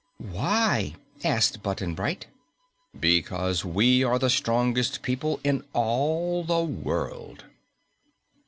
"Why?" asked Button Bright. "Because we are the strongest people in all the world."